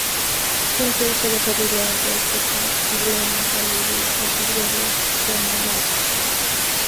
Juntos, se las arreglan para escapar y brevemente eludir a sus guardias romulanos.